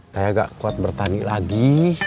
saya agak kuat bertani lagi